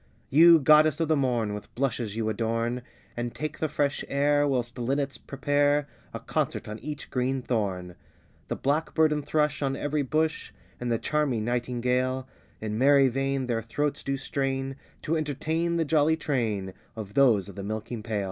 You goddess of the morn, With blushes you adorn, And take the fresh air, whilst linnets prepare A concert on each green thorn; The blackbird and thrush on every bush, And the charming nightingale, In merry vein, their throats do strain To entertain, the jolly train Of those of the milking pail.